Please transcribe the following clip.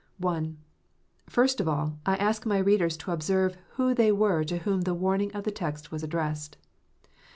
I. First of all, I ask my readers to observe icho they were to whom the learning of the text ivas addressed.